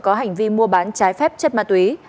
có hành vi mua bán trái phép chất ma túy